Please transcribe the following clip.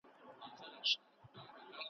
ستا او د ابا کیسه د میني، کورنۍ `